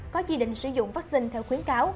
có chi định sử dụng vaccine theo khuyến cáo